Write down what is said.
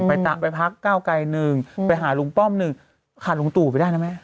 ไปพักเก้าไกรหนึ่งไปหาลุงป้อมหนึ่งขาดลุงตู่ไปได้นะแม่